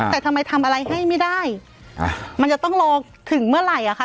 แต่ทำไมทำอะไรให้ไม่ได้มันจะต้องรอถึงเมื่อไหร่อ่ะคะ